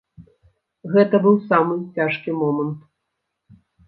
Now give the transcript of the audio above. Гэта быў самы цяжкі момант.